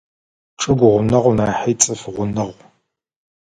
Чӏыгу гъунэгъу нахьи цӏыф гъунэгъу.